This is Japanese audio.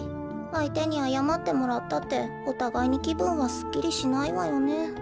あいてにあやまってもらったっておたがいにきぶんはすっきりしないわよね。